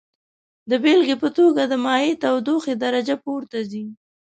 د بیلګې په توګه د مایع تودوخې درجه پورته ځي.